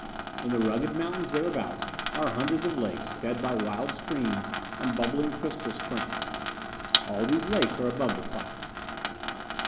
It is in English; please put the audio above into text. In the rugged mountains thereabouts are hundreds of lakes fed by wild streams and bubbling crystal springs. All these lakes are above the clouds.